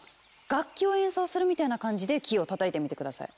楽器を演奏するみたいな感じでキーを叩いてみて下さい。